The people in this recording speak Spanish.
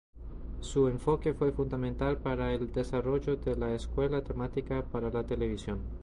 Su enfoque fue fundamental para el desarrollo de la escuela dramática para la televisión.